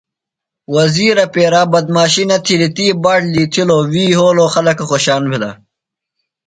وزیرہ پیرا بدمیشی نہ تِھیلیۡ، تی باٹ لِتھِلو، وی یھولوۡ۔ خلکہ خوۡشان بِھلہ۔